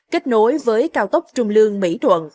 kết nối với cao tốc trung lương mỹ thuận